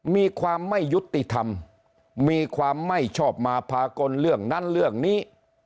มีความไม่ยุติธรรมมีความไม่ชอบมาพากลเรื่องนั้นเรื่องนี้